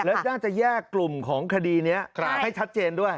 แล้วน่าจะแยกกลุ่มของคดีนี้ให้ชัดเจนด้วย